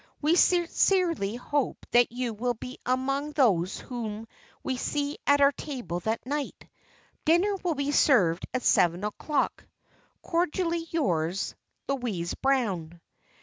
We sincerely hope that you will be among those whom we see at our table that night. Dinner will be served at seven o'clock. "Cordially yours, "Louise Brown."